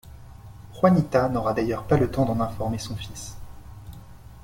Juanita n'aura d'ailleurs pas le temps d'en informer son fils.